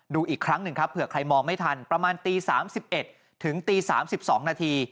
ดูอีกครั้งหนึ่งครับเผื่อใครมองไม่ทันประมาณตี๓๑ถึงตี๓๒นาที